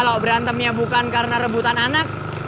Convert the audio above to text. kalau berantem ya bukan karena rebutan anak